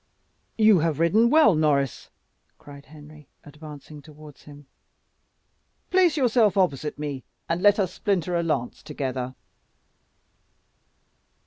"You have ridden well, Norris," cried Henry, advancing towards him. "Place yourself opposite me, and let us splinter a lance together."